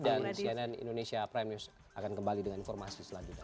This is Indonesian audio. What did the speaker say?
dan cnn indonesia prime news akan kembali dengan informasi selanjutnya